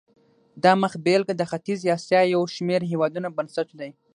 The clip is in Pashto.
دا مخبېلګه د ختیځې اسیا یو شمېر هېوادونو بنسټ دی.